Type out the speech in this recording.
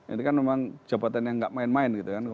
ini kan memang jabatan yang gak main main gitu kan